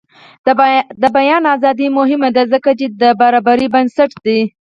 د بیان ازادي مهمه ده ځکه چې د برابرۍ بنسټ دی.